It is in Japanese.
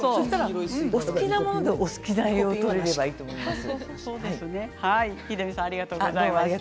好きなものでお好きに取り入れればいいと思います。